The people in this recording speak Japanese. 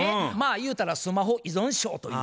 ゆうたらスマホ依存症というかね。